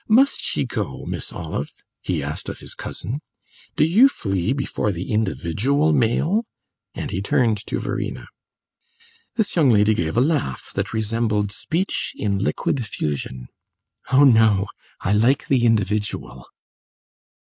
Must she go, Miss Olive?" he asked of his cousin. "Do you flee before the individual male?" And he turned to Verena. This young lady gave a laugh that resembled speech in liquid fusion. "Oh no; I like the individual!"